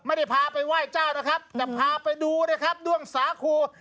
ไม่ได้พาไปไหว้เจ้านะครับแต่พาไปดูนะครับด้วงสาคู